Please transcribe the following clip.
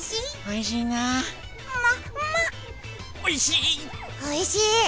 おいしい。